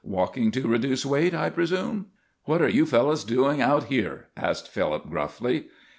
Walking to reduce weight, I presume?" "What are you fellows doing out here?" asked Phillips, gruffly.